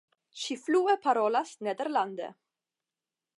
Ŝi flue parolas nederlande.